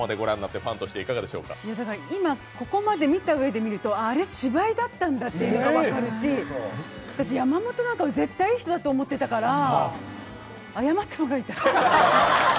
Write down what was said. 今、ここまで見たうえでいうと、あれ芝居だったんだっていうのが分かるし、山本なんか絶対いい人だと思ってたから謝ってもらいたい。